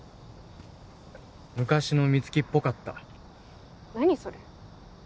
昔の美月っぽかった何それ？